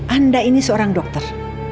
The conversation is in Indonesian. anda ini seorang dokter